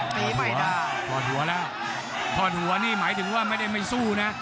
พอดหัวพอดหัวแล้วพอดหัวนี่หมายถึงว่าไม่ได้ไม่สู้นะ